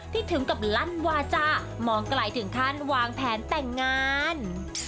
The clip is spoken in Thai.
ถึงกับลั่นวาจามองไกลถึงขั้นวางแผนแต่งงาน